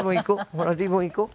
ほらリボン行こう。